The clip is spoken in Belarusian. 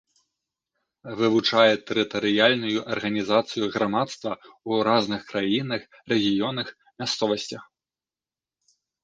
Вывучае тэрытарыяльную арганізацыю грамадства ў разных краінах, рэгіёнах, мясцовасцях.